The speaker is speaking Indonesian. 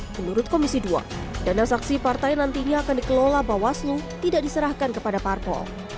menurut komisi dua dana saksi partai nantinya akan dikelola bawaslu tidak diserahkan kepada parpol